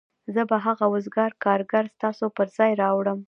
زه به هغه وزګار کارګر ستاسو پر ځای راوړم